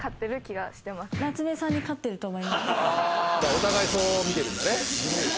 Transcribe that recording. お互いそうみてるんだね。